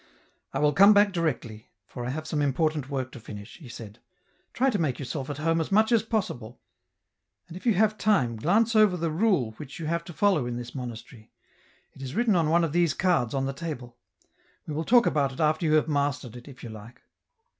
" I will come back directly, for I have some important work to finish," he said ;" try to make yourself at home as much as possible, and if you have time glance over the rule which you have to follow in this monastery — it is written on one of these cards on the table ; we will talk about it after you have mastered it, if you like."